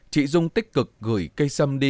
chị dung tích cực gửi cây sâm đi